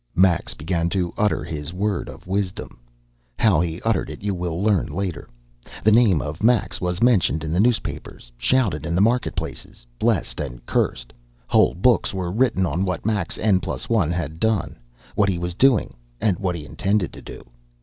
Max began to utter his word of wisdom. How he uttered it you will learn later. The name of Max was mentioned in the newspapers, shouted in the market places, blessed and cursed; whole books were written on what Max N+1 had done, what he was doing, and what he intended to do.